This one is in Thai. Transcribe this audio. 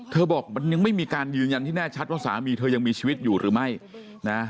บอกมันยังไม่มีการยืนยันที่แน่ชัดว่าสามีเธอยังมีชีวิตอยู่หรือไม่นะ